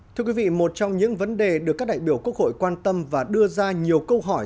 thưa quý vị một trong những vấn đề được các đại biểu quốc hội quan tâm và đưa ra nhiều câu hỏi